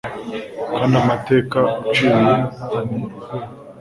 kandi amateka uciye antera ubwoba